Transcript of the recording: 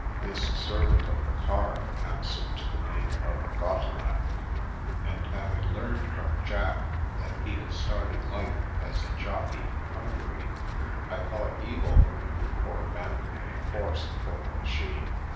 This servant of the car answered to the name of Gotteland, and having learned from Jack that he had started life as a jockey in Hungary, I thought evil of him for abandoning the horse for the machine.